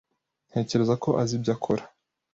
Ntekereza ko azi ibyo akora.